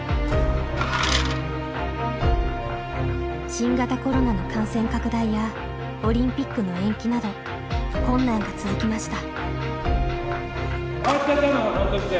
新型コロナの感染拡大やオリンピックの延期など困難が続きました。